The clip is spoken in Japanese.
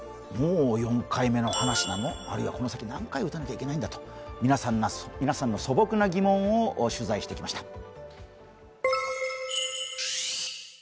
もう４回目の話なの、あるいはこの先何回打たなきゃいけないんだと皆さんの素朴な疑問を取材してきました。